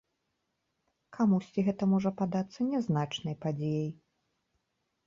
Камусьці гэта можа падацца нязначнай падзеяй.